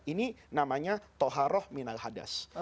ini namanya toharoh minal hadas